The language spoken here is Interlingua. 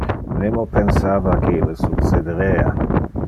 Nemo pensava que ille succederea.